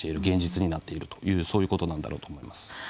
現実になっているというそういうことなんだろうと思います。